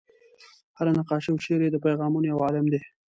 هره نقاشي او شعر یې د پیغامونو یو عالم دی.